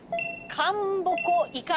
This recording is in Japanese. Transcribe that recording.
かんぼこいか。